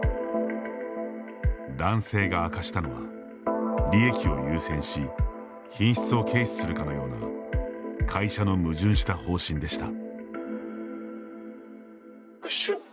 男性が明かしたのは利益を優先し品質を軽視するかのような会社の矛盾した方針でした。